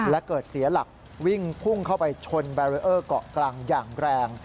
และเกิดเสียหลักวิ่งพุ่งเข้าไปชนแบรีเออร์เกาะกลางอย่างแรง